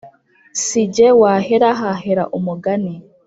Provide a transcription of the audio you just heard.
sijye wahera hahera umugani.